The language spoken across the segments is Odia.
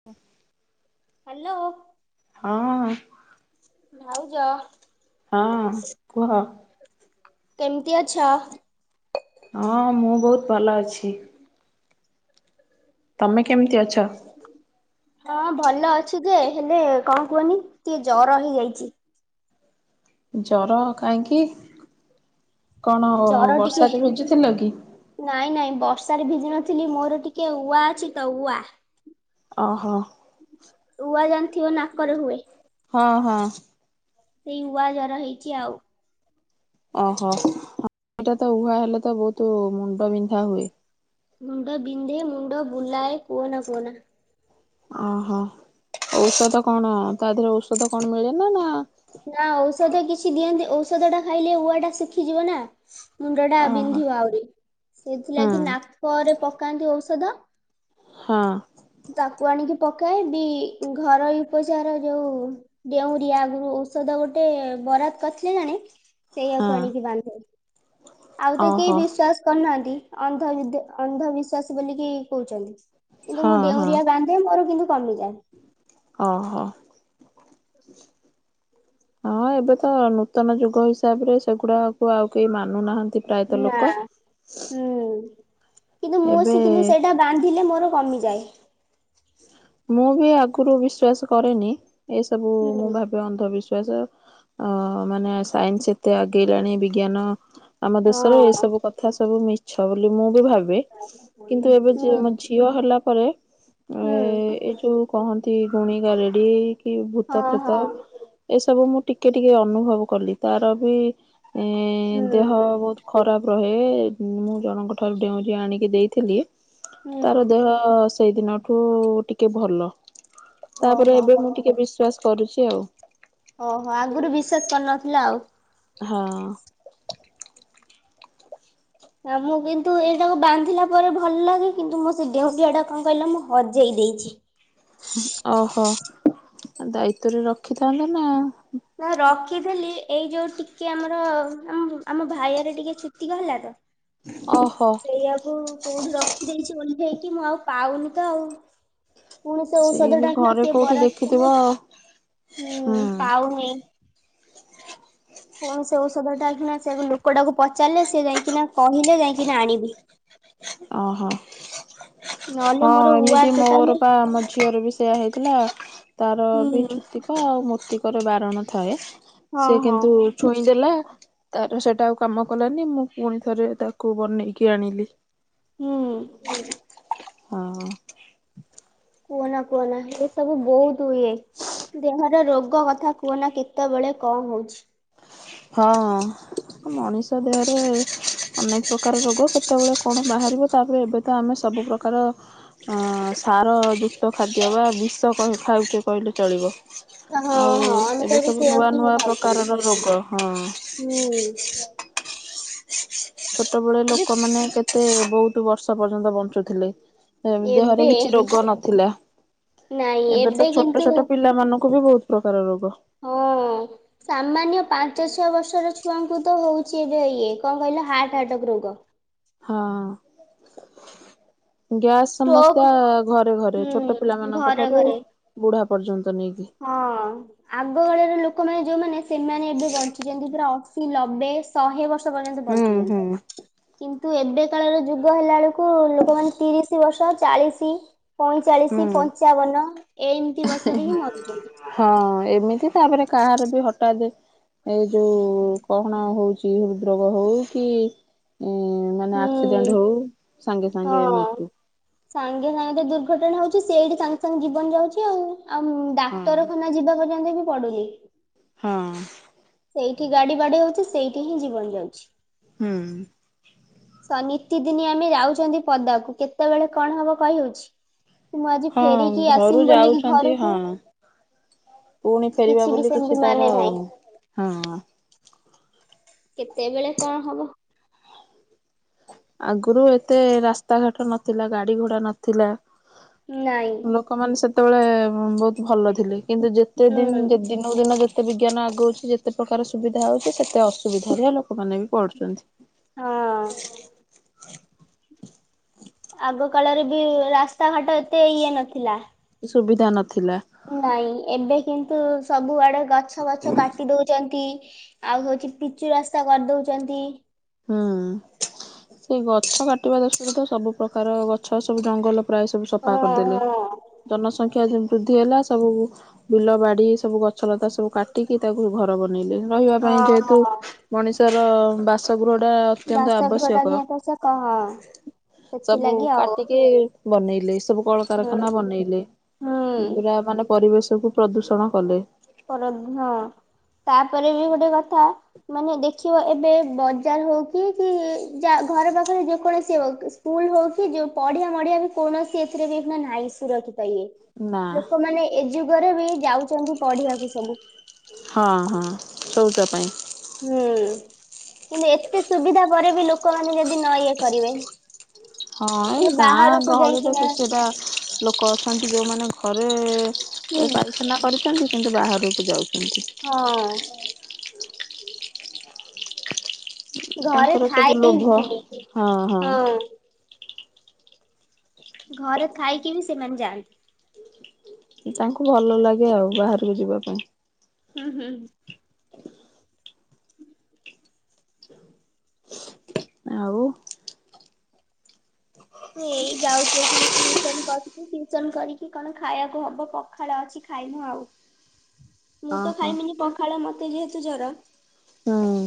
[inaudible] ହ୍ୟାଲୋ। ହଁ। ଭାଉଜ। ହଁ କୁହ। କେମତି ଅଛ? ହଁ ମୁଁ ବହୁତ୍ ଭଲ ଅଛି। ତମେ କେମିତି ଅଛ? ହଁ ଭଲ ଅଛ ଯେ, ହେଲେ କଣ କୁହନି ଟିକେ ଜର ହେଇଯାଇଚି। ଜର କାହିଁକି? କଣ ଜର ଟିକେ ବର୍ଷାରେ ଭିଜୁଥିଲ କି? ନାଇଁ ନାଇଁ ବର୍ଷାରେ ଭିଜି ନଥିଲି ମୋର ଟିକେ ଉଆ ଅଛି ତ ଉଆ। ଅ ହ। ଉଆ ଜାଣିଥିବ ନାକରେ ହୁଏ। ହଁ ହଁ। ସେଇ ଉଆ ଜର ହେଇଚି ଆଉ। ଅ ହ। ହେଟା ତ ଉଆ ହେଲେ ତ ବହୁତୁ ମୁଣ୍ଡ ବିନ୍ଧା ହୁଏ। ମୁଣ୍ଡ ବିନ୍ଧେ ମୁଣ୍ଡ ବୁଲାଏ କୁହନା କୁହନା। ଓହୋ। ଔଷଧ କଣ ତା ଦେହରେ ଔଷଧ କଣ ମିଳେ ନା ନା ନା ଔଷଧ କିଛି ଦିଅନ୍ତି ଔଷଧ ଟା ଖାଇଲେ ଉଆ ଟା ଶୁଖିଯିବ ନା। ମୁଣ୍ଡ ଟା ଓହୋ ବିନ୍ଧିବ ଆହୁରି। ହୁଁ ସେଥିଲାଗି ନାକରେ ପକାନ୍ତି ଔଷଧ। ହଁ। ତାକୁ ଆଣିକି ପକାଏ ବିି। ଘରୋଇ ଉପଚାର ଯୋଉ ଡେଉଁରିଆ ଆଗରୁ ଔଷଧ ଗୋଟେ ବରାଦ କରିଥିଲେ ଜଣେ ହଁ ସେଇଆକୁ ଆଣିକି ବାନ୍ଧେ। ଆଉ ତ କେହି ଓହୋ ବିଶ୍ଵାସ କରୁନାହାନ୍ତି। ଅନ୍ଧ ବିଦ୍ୟ ଅନ୍ଧବିଶ୍ୱାସ ବୋଲିକି କହୁଛନ୍ତି। କିନ୍ତୁ ମୁଁ ଡେଉଁରିଆ ବା ନ୍ଧେ ମୋର କିନ୍ତୁ କମିଯାଏ। ଅ ହ। ହ ହଁ ଏବେ ତ ନୂତନ ଯୁଗ ହିସାବ ରେ ସେଗୁଡାକୁ ଆଉ କେହି ମାନୁନାହାନ୍ତି। ପ୍ରାୟତଃ ନା ଲୋକ। ହୁଁ କିନ୍ତୁ ମୁଁ ଏବେ ସିକିନି ସେଇଟା ବାନ୍ଧିଲେ ମୋର କମିଯାଏ। ମୁଁ ବି ଆଗରୁ ବିଶ୍ଵାସ କରେନି। ଏସବୁ ମୁଁ ହୁଁ ଭାବ୍ ଅନ୍ଧବିଶ୍ଵାସ, ଅ ମାନେ ସାଇନ୍ସ ଏତେ ଆଗେଇଲାଣି ବିଜ୍ଞାନ ଆମ ହଁ। ଦେଶରେ ଏଇ ସବୁ କଥା ସବୁ ମିଛ ବୋଲି ମୁଁ ବି ଭାବେ। କିନ୍ତୁ ଏବେ ଯେ ମୋ ହୁଁ ଝିଅ ହେଲା ପରେ ହୁଁ ଏ ଯୋଉ କହନ୍ତି ଗୁଣିକା ଗାରେଡ଼ି କି ଭୂତ ହଁ ପ୍ରେତ ହଁ ଏସବୁ ମୁଁ ଟିକେ ଟିକେ ଅନୁଭବ କଲି। ତାର ବି ହୁଁ ଦେହ ବହୁତ୍ ଖରାପ ରହେ। ମୁଁ ଜଣଙ୍କ ଠାରୁ ଢେଉଁରିଆ ଆଣିକି ଦେଇଥିଲି ହୁଁ। ତାର ଦେହ ସେଇଦିନଠୁ ଟିକେ ଭଲ। ତାପରେ ଓହୋ ଏବେ ମୁଁ ଟିକେ ବିଶ୍ଵାସ କରୁଚି ଆଉ। ଓହୋ ଆଗରୁ ବିଶ୍ଵାସ କରିନଥିଲା ଆଉ। ହଁ। ଆଉ ମୁଁ କିନ୍ତୁ ଏଇଟାକୁ ବାନ୍ଧିଲା ନା ନା ମୁଁ କିନ୍ତୁ ଏଟାକୁ ବନ୍ଧିଲା ପରେ ଭଲ ଲାଗେ କିନ୍ତୁ ମୋ ସେ ଢେଉଟିଆଟା କଣ କହିଲ ମୁଁ ହଜେଇ ଦେଇଚି। ଓହୋ ଦାୟିତ୍ଵରେ ରଖିଥାନ୍ନ୍ତତ ନା। ନା ରଖିଥିଲି ଏଇ ଯୋଉ ଟିକେ ଆମର ଆମ ଆମ ଭାଇରେ ଟିକେ ଛୁତିକା ହେଲା ତ। ଓହୋ। ସେଇଆକୁ କୋଉଠି ରଖିଦେଇଚି ଓଲଠେଇକି ମୁଁ ଆଉ ପାଉନି ତ ଆଉ। ପୁଣି ସେ ସେଇ ଔଷଧ ଟା ଏଇଖିଣା ଘରେ ସିଏ କୋଉଠି ବରାଦ ଦେଖିଥିବ କଲେ ହୁଁ ହୁଁ ପାଉନି। ପୁଣି ସେ ଔଷଧ ଟା ଏଇଖିଣା ସେ ଲୋକଟାକୁ ପଚାରିଲେ ସେ ଯାଇକିନା କହିଲେ ଯାଇକିନା ଆଣିବି। [inaudible] ଓହୋ। ନହେଲେ ହଁ ମୋର ଉଆ ଏମିତି ଟୋଟାଲି ମୋର ପା ମୋ ଝିଅ ରବି ସେଇୟା ହେଇଥିଲା। ତାର ବି ହୁଁ ଛୁତିକା ଆଉ ମୃତ୍ତିକାର ବାରଣ ଥାଏ ହଁ ସେ ହଁ କିନ୍ତୁ ଛୁଇଁ ଦେଲା ତାର ସେଇଟା ଆଉ କାମ କଲାନି ମୁଁ ପୁଣି ଥରେ ତାକୁ ବନେଇକି ଆଣିଲି। ହୁଁ। ହୁଁ ହଁ। କୁହନା କୁହନା ଏ ସବୁ ବୋହୁତ ହୁଏ। ଦେହର ରୋଗ କଥା କୁହନା କେତେବେଳେ କଣ ହଉଚି। ହଁ ମଣିଷ ଦେହରେ ଅନେକ ପ୍ରକାର ରୋଗ କେତେବେଳେ କଣ ବାହାରିବ ତାପରେ ଏବେ ତ ଆମେ ସବୁ ପ୍ର୍ରକାର ସାର ଯୁକ୍ତ ଖାଦ୍ୟ ବା ବିଷ କହି ଖାଉଛେ କହିଲେ ଚଳିବ। ହଁ ଆଉ ହଁ ଆମେ ତ ଏବେ ସବୁ ସେଇଆକୁ ନୂଆ ହିଁ ନୂଆ ଖାଉଛନ୍ତି ପ୍ରକାରର ରୋଗ ହଁ। ହୁଁ। ଛୋଟବେଳେ ଏବେ ଲୋକମାନେ କେତେ ବୋହୁତ ବର୍ଷ ପର୍ଯ୍ୟନ୍ତ ବଞ୍ଚୁଥିଲେ। ଏ ଦେହରେ ଏବେ କିଛି ରୋଗ ନଥିଲା ନାଇଁ ଏବେ ତ ଛୋଟ କିନ୍ତୁ ଛୋଟ ପିଲାମାନଙ୍କୁ ବି ବୋହୁତ ପ୍ରକାର ରୋଗ। ହୁଁ। ସାମାନ୍ୟ ପାଞ୍ଚ ଛଅ ବର୍ଷର ଛୁଆଙ୍କୁ ତ ହେଉଚି ଏବେ ଇଏ କଣ କହିଲ ହାର୍ଟ ଆଟାକ୍ ରୋଗ। ହଁ। ଗ୍ୟାସ୍ ଷ୍ଟୋକ୍ ସମସ୍ୟା ଘରେ ଘରେ ଛୋଟ ପିଲା ହୁଁ ମାନଙ୍କ ଘରେ ଠାରୁ ଘରେ ବୁଢା ପର୍ଯ୍ୟନ୍ତ ନେଇକି। ହଁ ଆଗକାଳରେ ଲୋକମାନେ ଯୋଉମାନେ ସେମାନେ ଏବେ ବଞ୍ଚିଛନ୍ତି ପୁରା ଅଶୀ ଲବେ ଶହେ ବର୍ଷ ପର୍ଯ୍ୟନ୍ତ ହୁଁ ବଞ୍ଚିଛନ୍ତି ହୁଁ କିନ୍ତୁ ଏବେ କାଳର ଯୁଗ ହେଲା ବେଳକୁ ଲୋକମାନେ ତିରିଶି ବର୍ଷ ଚାଳିଶି ପଇଁଚାଳିଶି ହୁଁ ପଞ୍ଚାବନ ଏଇମିତି ବର୍ଷରେ ହିଁ ମରୁଚନ୍ତି। ହଁ ଏମିତି ତାପରେ କାହାର ବି ହଠାତ୍ ଏଇ ଯୋଉ କହଣ ହୋଉଚି ହୃଦ୍ ରୋଗ କି ହିଁ ନା ହୁଁ ଆକ୍ସିଡେଣ୍ଟ ହୋଇ ସାଙ୍ଗେ ସାଙ୍ଗେ ହଁ। ମୃତ୍ୟୁ। ସାଙ୍ଗେ ସାଙ୍ଗେ ଦୁର୍ଘଟଣା ହୋଉଚି ସେଇଠି ସାଙ୍ଗେ ସାଙ୍ଗେ ଜୀବନ ଯାଉଚି ଆଉ। ଆଉ ହଁ ଡାକ୍ତରଖାନା ଯିବା ପର୍ଯ୍ୟନ୍ତ ବି ପଡୁନି। ହଁ। ସେଇଠି ଗାଡି ବାଡେଇ ହୋଉଚି ସେଇଠି ହିଁ ଜୀବନ ଯାଉଚି। ହୁଁ। ସ ନିତିଦିନି ଆମେ ଯାଉଚନ୍ତି ପଦାକୁ କେତେବେଳେ କଣ ହବ କହିହୋଉଚି। ହଁ ଘରୁ ବୋଲିକି ଯାଉଚନ୍ତି ଘରକୁ ହଁ। ପୁଣି ଫେରିବା ବି ବୋଲି ସେମିତି କିଛି ମାନେ ତାର ନାହିଁ। ହଁ। କେତେବେଳେ କଣ ହବ। ଆଗରୁ ଏତେ ରାସ୍ତାଘାଟ ନଥିଲା ଗାଡି ଘୋଡ଼ା ନଥିଲା। ନାଇଁ। ଲୋକମାନେ ସେତେବେଳେ ବହୁତ ଭଲ ଥିଲେ। କିନ୍ତୁ ଯେତେ ହୁଁ ଦିନ ଦିନକୁ ଦିନ ଯେ ତେ ବିଜ୍ଞାନ ଆଗୋଉଛି ଯେତେ ପ୍ରକାର ସୁବିଧା ହଉଛି ସେତେ ଅସୁବିଧାରେ ଲୋକମାନେ ବି ପଡୁଛନ୍ତି। ହଁ। [inaudible] ଆଗ କାଳରେ ବି ରାସ୍ତାଘାଟ ଏତେ ଇଏ ନଥିଲା। ସୁବିଧା ନଥିଲା। ନାଇଁ ଏବେ କିନ୍ତୁ ସବୁଆଡୁ ଗଛ ବଛ କାଟି ଦଉଛନ୍ତି ଆଉ ହୋଉଛି ପିଚୁ ରାସ୍ତା କରିଦଉଛନ୍ତି। ହୁଁ। ସେ ଗଛ କାଟିବା ଦୋସୁରୁ ତ ସବୁ ପ୍ରକାର ଗଛ ସବୁ ଜଙ୍ଗଲ ପ୍ରାୟ ସବୁ ସଫା ହଁ କରିଦେଲେ। ହଁ। ଜନସଂଖ୍ୟା ବୃଦ୍ଧି ହେଲା। ସବୁ ବିଲ ବାଡି ସବୁ ଗଛ ଲତା ସବୁ କାଟିକି ତାକୁ ଘର ବନେଇଲେ ରହିବା ପାଇଁ ହଁ ଯେହେତୁ। ହଁ ମଣିଷର ବାସଗୃହ ଟା ଅ ବାସଗୃହ ଟା ନିଏ ତ ସେ କହ ହଁ। ସବୁ ସେଥିଲାଗି ଆଉ। କାଟିକି ବନେଇଲେ ସବୁ କଳକାରଖାନା ହୁଁ ବନେଇଲେ। ହୁଁ। ପୁରା ମାନେ ପରିବେଶ କୁ ପ୍ରଦୂଷଣ କଲେ। କରନ୍ତି ହଁ ତାପରେ ବି ଗୋଟେ କଥା ମାନେ ଦେଖିବ ଏବେ ବଜାର ହୋଉ କି କି ଯା ଘର ପାଖରେ ଯେକୌଣସି ହୋଉ। ସ୍କୁଲ ହୋଉ କି ଯୋଉ ପଢିଆ ମଢିଆ ବି କୌଣସି ଏଥିରେ ବି ନାଇଁ ସୁରକ୍ଷିତ ଇଏ ନା ଲୋକମାନେ ଏ ଯୁଗରେ ବି ଯାଉଚନ୍ତି ପଢିବାକୁ ସବୁ। ହଁ ହଁ ଶଉଚ ପାଇଁ। ହୁଁ କିନ୍ତୁ ଏତେ ସୁବିଧା ପରେ ବି ଲୋକମାନେ ଯଦି ନ ଇଏ କରିବେ। ହଁ ଏଇ ମାନେ ଗାଁ ବାହାରକୁ ଗହଳିରେ ଯାଇକିନା କେତଟା ଲୋକ ଅଛନ୍ତି ଯୋଉ ମାନେ ଘରେ ହୁଁ ପାଇଖେନା କରିଚନ୍ତି କିନ୍ତୁ ବାହାରକୁ ଯାଉଚନ୍ତି। ହଁ ଘରେ ତାଙ୍କର ସବୁ ଲୋଭ ଥାଇକି ବି ହଁ ହଁ। ଘରେ ଥାଇକି ବି ସେମାନେ ଯାଆନ୍ତି। ତାଙ୍କୁ ଭଲ ଲାଗେ ଆଉ ବାହାରକୁ ଯିବା ପାଇଁ। ହୁଁ ହୁଁଁ। ଆଉ। ହୁଁ ଏଇ ଯାଉଛ ଏ ମୁଁ ଟିଉସନ କରୁଛି ଟ୍ୟଉସନ କରିକି କଣ ଖାଇବାକୁ ହବ ପଖାଳ ଅଛି ଖାଇବୁ ଆଉ ମୁଁ ତ ଓହୋ ଖାଇମିନି ପଖାଳ ମତେ ଯେହେତୁ ଜର। ହୁଁ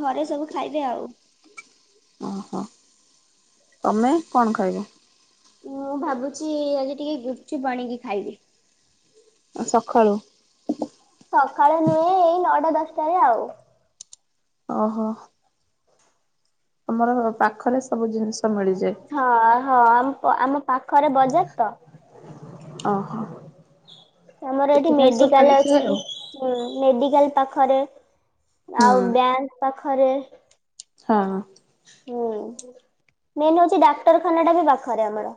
ଘରେ ସବୁ ଖାଇବେ ଆଉ ଓହୋ। ତମେ କଣ ଖାଇବ? ମୁଁ ଭାବୁଛି ଆଜି ଟିକେ ଗୁପଚୁପ୍ ଆଣିକି ଖାଇବି। ସଖାଳୁ। ସକାଳେ ନୁହେଁ ଏଇ ନଅଟା ଦଶଟାରେ ଆଉ ଓହୋ। ଆମର ପାଖରେ ସବୁ ଜିନ୍ଷ ମିଳିଯାଏ। ହଁ ହଁ ଆମ ପାଖରେ ବଜାର୍ ତ। ଓହୋ। ଆମର ଏଠି ସେଥିପାଇଁ ସବୁ ମେଡିକାଲ୍ ମିଳିଯାଏ ଅଛି। ଆଉ। ହୁଁ ମେଡିକାଲ ପାଖରେ ହୁଁ ଆଉ ବ୍ୟାଙ୍କ ପାଖରେ। ହଁ। ହୁଁ ମେନ୍ ହୋଉଚି ଡାକ୍ତରଖାନା ଟା ବି ପାଖରେ ଆମର।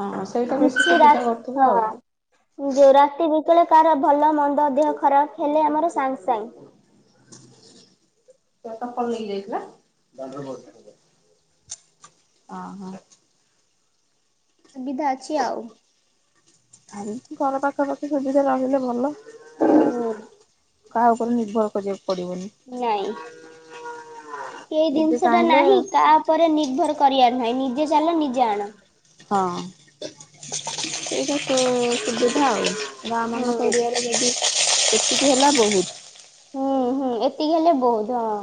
ହଁ ସେଇଟା ବେଶୀ କିଛି ରା ସୁବିଧା କରୁଥିବ ହଁ। ଆଉ। ଯୋଉ ରାତି ବିକେଳେ କାହାର ଭଲ ମନ୍ଦ ଦେହ ଖରାପ୍ ହେଲେ ଆମର ସାଙ୍ଗ୍ ସାଙ୍ଗ୍ ତା ଚପଲ ନେଇକି ଯାଇଥିଲା। ଓ ହୋ। ସୁବିଧା ଅଛି ଆଉ ଆାଇ ଘର ପାଖାପାଖି ସୁବିଧା ରହିଲେ ଭଲ। ହୁଁ। କାହା ଉପରେ ନିର୍ଭର କରିବାକୁ ପଡ଼ିବନି। ନାଇଁ ଏଇ ନିଜେ ଜିନିଷଟା ଚାହିଁଲେ ନାହିଁ କା ଉପରେ ନିର୍ଭର କରିବାର ନାହିଁ ନିଜେ ଚାଲ ନିଜେ ଆଣ। ହଁ ସେଇଟା ସୁବିଧା ଆଉ ଗ ହୁଁ ମାନ କର। ଯଦି ଏତିକି ହେଲା ବହୁତ। ହୁଁ ହୁଁ ଏତିକି ହେଲେ ବହୁତ ହଁ।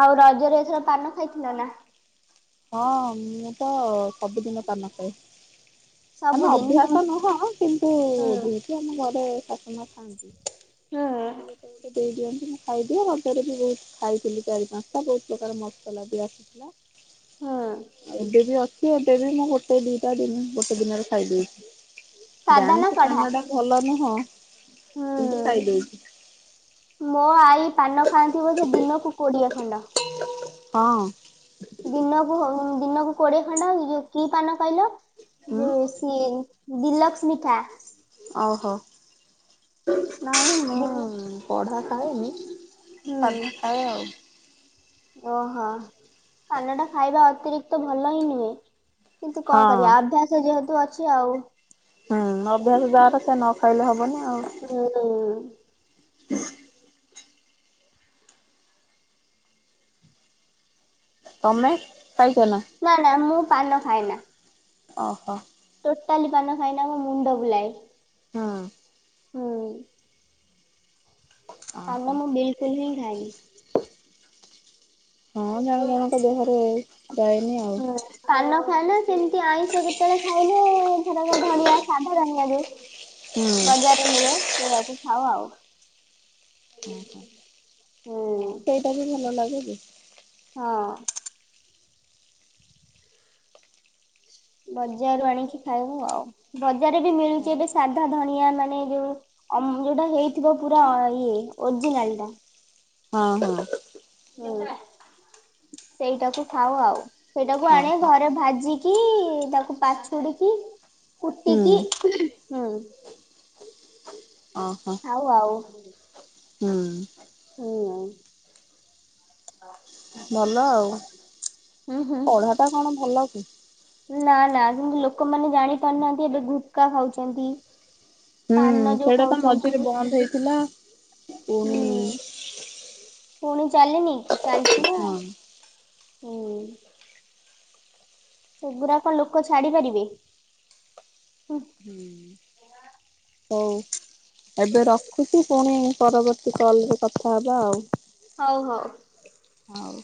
ଆଉ ରଜରେ ଏଥର ପାନ ଖାଇଥିଲ ନା? ହଁ ମୁଁ ତ ସବୁଦିନ ପାନ ଖାଏ। ଆମେ ସବୁଦିନ ହୁଁ ଅଭ୍ୟାସ ନୁହଁ କିନ୍ତୁ ଯେହେତୁ ଆମ ଘରେ ମା ଖଆନ୍ତି ହୁଁ ମତେ ଗୋଟେ ଗୋଟେ ଦେଇଦିଅନ୍ତି। ଖାଇଦିଅ ମଧରେ ବି ବହୁତ ଖାଇଥିଲି ଚାରି ପାଞ୍ଚଟା ବହୁତ ପ୍ରକାର ମସଲା ବି ଆସିଥିଲା। ହୁଁ ଏବେ ବି ଅଛି ଏବେ ବି ମୁଁ ଗୋଟେ ଦିଟା ଦିନ ଗୋଟେ ଦିନରେ ଖାଇଦେଇଛି। ସାଧା ନା ଜାଣିଛି କଢା? ପାନ ଟା ଭଲ ନୁହଁ କିନ୍ତୁ ହୁଁ। ଖାଇଦଉଛି। ମୋ ଆଈ ପାନ ଖାଆନ୍ତି ବୋଧେ ଦିନକୁ କୋଡିଏ ଖଣ୍ଡ। ହଁ। ଦିନକୁ ଦିନକୁ କୋଡିଏ ଖଣ୍ଡ କି ପାନ କହିଲ? ହୁଁ ଯୋଉ ସିଏ ଡିଲକ୍ସ ମିଠା। ଓହୋ ନାଇ ଦିନ ମୁଁ ପଢା ଖାଏନି। ହୁଁ ସାଧା ଖାଏ ଆଉ। ଓହୋ ପାନ ଟା ଖାଇବା ଅତିରିକ୍ତ ଭଲ ହିଁ ନୁହେଁ। କିନ୍ତୁ କଣ ହଁ କରିବା ଅଭ୍ୟାସ ଯେହେତୁ ଅଛି ଆଉ। ହୁଁ ଅଭ୍ୟାସ ଯାର ସେ ନ ଖାଇଲେ ହବନି ଆଉ। ହଁ। ହଁ [inaudible] ତମେ ଖାଇଛ ନା? ନା ନା ମୁଁ ପାନ ଖାଏନା। ଓହୋ। ଟୋଟାଲି ପାନ ଖାଇନା ମୋ ମୁଣ୍ଡ ବୁଲାଏ। ହଁ। ହଁ। ପାନ ଓହୋ ମୁଁ ବିଲକୁଲ ହିଁ ଖାଏନି। ହଁ ଜଣେ ଜଣଙ୍କ ଦେହରେ ଯାଏନି ଆଉ। କାନ ଖାଏ ନା ସେମିତି ଆଇଁଷ କେତେବେଳେ ଖାଇବୁ ଆଉ। ରଙ୍ଗ ଧଣିଆ ସାଧା ଧନିଆ ଯୋଉ ହୁଁ। ବଜାରରେ ମିଳେ ସେଇଆକୁ। ହଉ ଆଉ। ହଁ ହୁଁ ସେଇଟା ବି ଭଲ ଲାଗୁଛି। ହଁ। ବଜାରରୁ ଆଣିକି ଖାଇବ ଆଉ ବଜାର ବି ମିଳୁଛି ବ ସାଧା ଧଣିଆ ମାନେ ଯୋଉ ଅମ୍ ଯୋଉଟା ହେଇଥିବ ପୁରା ଇଏ ଓରିଜିନାଲଟା ହଁ ହଁ। ସେଇଟାକୁ ଖାଉ ଆଉ ସେଇଟାକୁ ଆଣି ଓହୋ ଘରେ ଭାଜି କି ତାକୁ ପାଛୁଡିକି କୁଟିକି ହୁଁ। ଓହୋ। ହଉ ଆଉ। ହଁ। ହୁଁ, ଆଉ। ଭଲ ଆଉ। ହୁଁ ପଢାଟା କଣ ଭଲ କି? ନା ନା ସେମତି ଲୋକମାନେ ଜାଣି ପାରୁନାହାଁନ୍ତି ଏବେ ଗୁଟକା ଖାଉଛନ୍ତି ହୁଁ, ପାନ ଯୋଉ ସେଇଟା ତ ଖାଉଛନ୍ତି ମଝିରେ ବନ୍ଦ ହେଇଥିଲା। ପୁଣି ହୁଁ ପୁଣି ଚାଲିନି କି? ଚାଲିଛି ନା, ହଁ ହୁଁ। ସେଗୁରା କଣ ଲୋକ ଛାଡି ପାରିବେ? ହୁଁ, ହଉ ଏବେ ରଖ ଖୁଛି, ପୁଣି ପରବର୍ତ୍ତୀ କଲରେ କଥା ହେବା ଆଉ। ହଉ, ହଉ। ହଉ।